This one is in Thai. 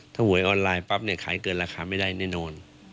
ถ้าหวยออนไลน์ปั๊บเนี่ยขายเกินราคาไม่ได้แน่นอน